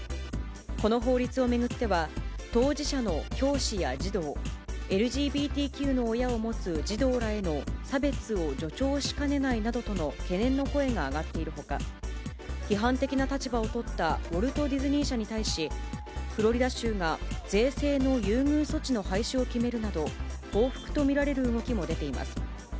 この法律を巡っては、当事者の教師や児童、ＬＧＢＴＱの親を持つ児童らへの差別を助長しかねないとの懸念の声が上がっているほか、批判的な立場を取ったウォルト・ディズニー社に対し、フロリダ州が税制の優遇措置の廃止を決めるなど、報復と見られる動きが出ています。